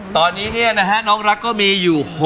ตอนนี้เนี่ยนะฮะน้องรักก็มีอยู่